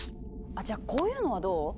あじゃあこういうのはどう？